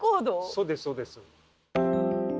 そうですそうです。